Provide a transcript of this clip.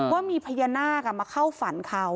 ว่ามีพญานาคมาเข้าฝันเขา